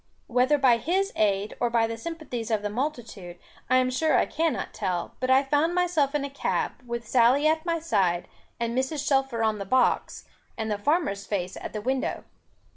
Whether by his aid, or by the sympathies of the multitude, I am sure I cannot tell, but I found myself in a cab, with Sally at my side, and Mrs. Shelfer on the box, and the farmer's face at the window.